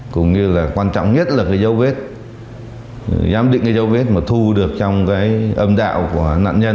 cũng như là quan trọng nhất là cái dấu vết giám định cái dấu vết mà thu được trong cái âm đạo của nạn nhân